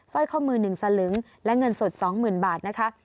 สร้อยข้อมือหนึ่งสลึงและเงินสดสองหมื่นบาทนะคะ